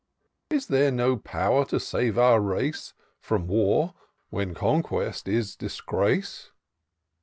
Is there no power to save our race From war, when conquest is disgrace?